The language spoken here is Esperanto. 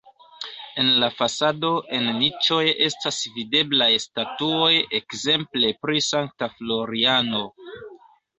En la fasado en niĉoj estas videblaj statuoj ekzemple pri Sankta Floriano.